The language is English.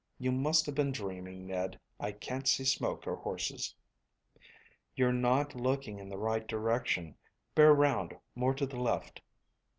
You must have been dreaming, Ned; I can't see smoke or horses." "You're not looking in the right direction; bear round more to the left."